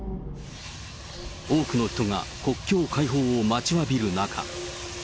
多くの人が国境開放を待ちわびる中。